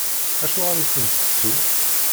Acuɣeṛ i ten-tettum?